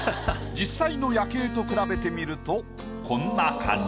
実際の夜景と比べてみるとこんな感じ。